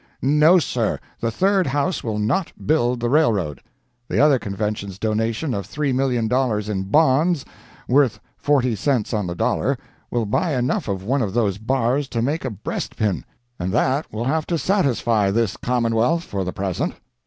No, sir, the Third House will not build the railroad. The other Convention's donation of $3,000,000 in bonds, worth forty cents on the dollar, will buy enough of one of those bars to make a breastpin, and that will have to satisfy this common wealth for the present.